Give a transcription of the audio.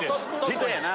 人やな！